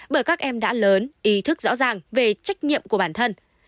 bởi các em đã lớn ý thức rõ ràng về trách nhiệm của bản thân